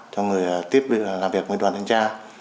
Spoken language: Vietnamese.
cho người tiếp đoàn thanh tra